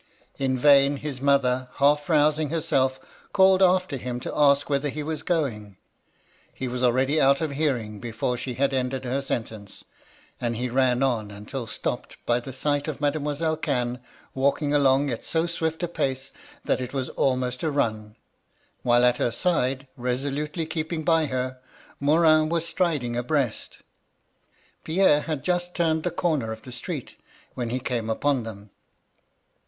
In vain his mother, half rousing herself called after him to ask whither he was going : he was already out of hearing before she had ended her sentence, and he ran on until stopped by the sight of I 2 172 MY LADY LUDLOW. Mademoiselle Cannes walking along at so swift a pace that it was almost a nm ; while at her side, resolutely keeping hy her, Morin was striding abreast. Pierre had just turned the comer of the street, when he came upon them.